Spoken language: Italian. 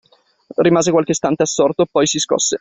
Rimase qualche istante assorto, poi si scosse.